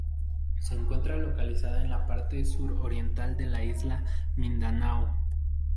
Se encuentra localizada en la parte sur oriental de la isla Mindanao.